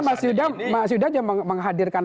saya ingin memperkuatkan